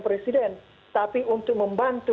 presiden tapi untuk membantu